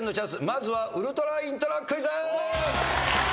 まずはウルトライントロクイズ。